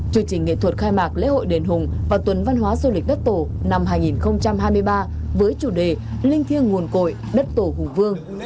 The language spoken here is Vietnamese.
chương trình nghệ thuật khai mạc lễ hội đền hùng và tuần văn hóa du lịch đất tổ năm hai nghìn hai mươi ba với chủ đề linh thiêng nguồn cội đất tổ hùng vương